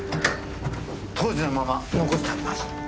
当時のまま残してあります。